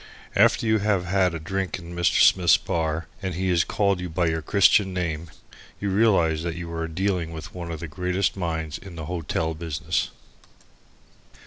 After you have had a drink in Mr. Smith's bar, and he has called you by your Christian name, you realize that you are dealing with one of the greatest minds in the hotel business.